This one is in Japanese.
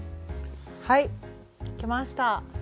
はいできました！